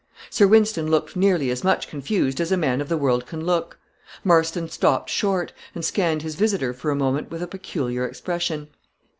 Sir Wynston looked nearly as much confused as a man of the world can look. Marston stopped short, and scanned his visitor for a moment with a very peculiar expression.